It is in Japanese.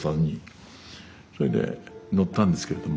それで乗ったんですけれども。